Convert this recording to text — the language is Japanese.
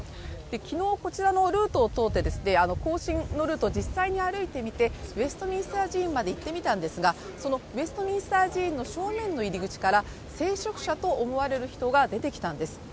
昨日こちらのルートを通って更新のルートを実際に歩いてみてウェストミンスター寺院まで行ってみたんですがウェストミンスター寺院の正面の入り口から聖職者と思われる人が出てきたんです。